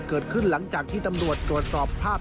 เกิดขึ้นหลังจากที่ตำรวจตรวจสอบภาพ